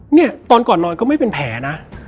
เนี่ยตอนก่อนนอนก็ไม่เป็นแผลนะ